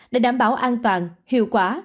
để đảm bảo an toàn hiệu quả